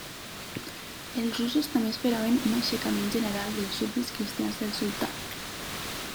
Els russos també esperaven un aixecament general dels súbdits cristians del Sultà.